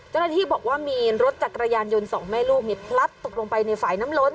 เจ้าหน้าที่บอกว่ามีรถจักรยานยนต์สองแม่ลูกพลัดตกลงไปในฝ่ายน้ำล้น